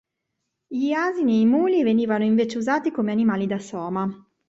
Gli asini e i muli venivano invece usati come animali da soma.